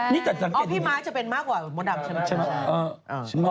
ไปบ้างพี่ม้าจะเป็นมากกว่าโมดับใช่ไหมอ๋อพี่ม้า